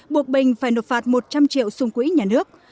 buộc bình phải nộp phạt một trăm linh triệu xung quỹ nhà nước